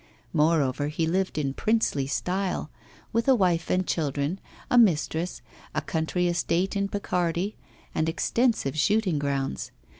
Moreover, he lived in princely style, with a wife and children, a mistress, a country estate in Picardy, and extensive shooting grounds.